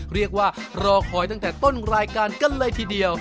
เรียกว่ารอคอยตั้งแต่ต้นรายการกันเลยทีเดียว